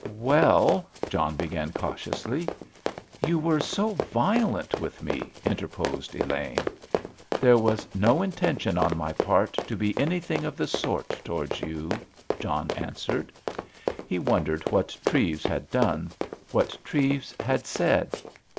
"Well——" John began, cautiously. "You were so violent with me," interposed Elaine. "There was no intention on my part to be anything of the sort towards you," John answered. He wondered what Treves had done, what Treves had said.